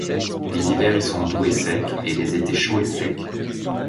Les hivers y sont doux et secs et les étés chauds et secs.